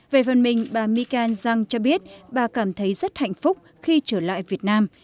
về phần mình bà mikael zhang cho biết bà cảm thấy rất hạnh phúc khi trở lại việt nam